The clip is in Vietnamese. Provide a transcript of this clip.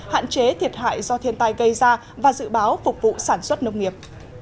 hạn chế thiệt hại do thiên tai gây ra và dự báo phục vụ sản xuất nông nghiệp